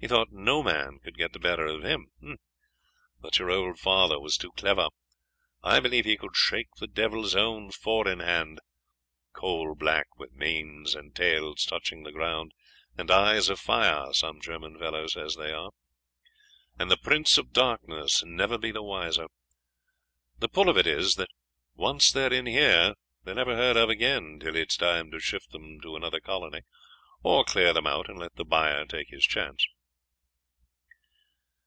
He thought no man could get the better of him. But your old father was too clever. I believe he could shake the devil's own four in hand (coal black, with manes and tails touching the ground, and eyes of fire, some German fellow says they are) and the Prince of Darkness never be the wiser. The pull of it is that once they're in here they're never heard of again till it's time to shift them to another colony, or clear them out and let the buyer take his chance.'